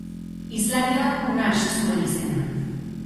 Hizlariak Unax zuen izena.